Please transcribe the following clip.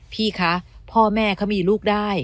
พี่คะพ่อแม่เขามีลูกได้